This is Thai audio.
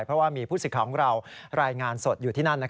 เพราะว่ามีผู้สิทธิ์ของเรารายงานสดอยู่ที่นั่น